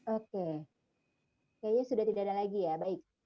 oke kayaknya sudah tidak ada lagi ya baik